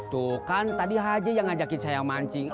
tuh kan tadi haji yang ngajakin saya mancing